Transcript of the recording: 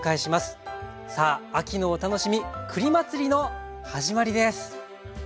さあ秋のお楽しみ栗祭りの始まりです！